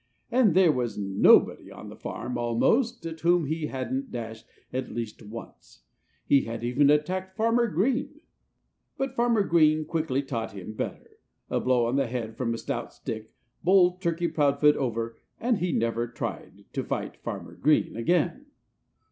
And there was nobody on the farm, almost, at whom he hadn't dashed at least once. He had even attacked Farmer Green. But Farmer Green quickly taught him better. A blow on the head from a stout stick bowled Turkey Proudfoot over and he never tried to fight Farmer Green again.